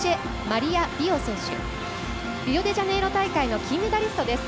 リオデジャネイロ大会の金メダリストです。